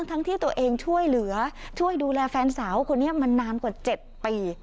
ทั้งที่ตัวเองช่วยเหลือช่วยดูแลแฟนสาวคนนี้มานานกว่า๗ปี